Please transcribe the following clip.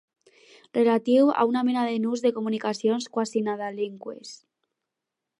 Relatiu a una mena de nus de comunicacions quasi nadalenques.